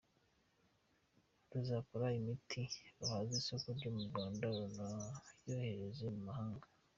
Ruzakora imiti ruhaze isoko ryo mu Rwanda runayohereze mu mahanga.